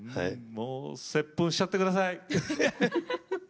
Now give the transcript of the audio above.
もう接吻しちゃって下さい。